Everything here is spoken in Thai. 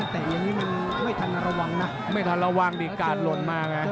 แต่อย่างนี้มันไม่ทันระวังนะไม่ทันระวังดีการหล่นมาไง